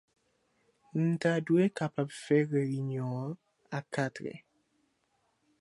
mta dwe kapab fè reyinyon an a katrè